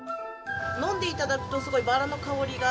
飲んで頂くとすごいバラの香りが。